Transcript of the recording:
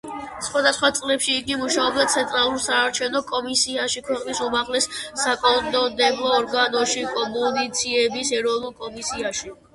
სხვადასხვა წლებში იგი მუშაობდა ცენტრალურ საარჩევნო კომისიაში, ქვეყნის უმაღლეს საკანონმდებლო ორგანოში, კომუნიკაციების ეროვნულ კომისიაში.